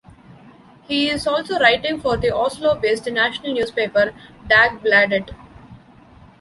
He is also writing for the Oslo-based national newspaper Dagbladet.